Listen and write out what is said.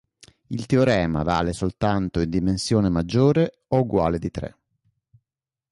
Il teorema vale soltanto in dimensione maggiore o uguale di tre.